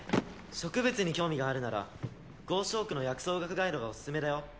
植物に興味があるなら「ゴーショークの薬草学ガイド」がおすすめだよ